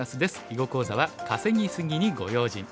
囲碁講座は「稼ぎ過ぎにご用心」。